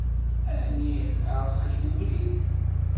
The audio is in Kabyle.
Ɛni iɛṛeq-ak webrid?